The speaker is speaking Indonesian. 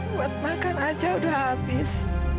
buat makan aja udah habis